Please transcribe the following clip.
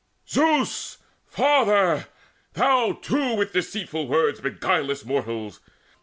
Zeus, Father, thou too with deceitful words Beguilest mortals!